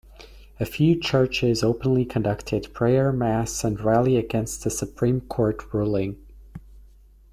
A few churches openly conducted prayer mass and rally against the Supreme Court ruling.